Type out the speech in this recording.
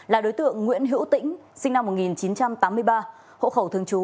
là đối tượng nguyễn hữu tĩnh sinh năm một nghìn chín trăm tám mươi ba hộ khẩu thường trú